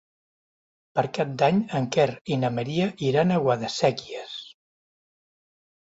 Per Cap d'Any en Quer i na Maria iran a Guadasséquies.